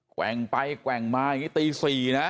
แกว่งไปแกว่งมาทีศรีนะ